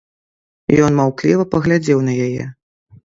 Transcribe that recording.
Ён маўкліва паглядзеў на яе.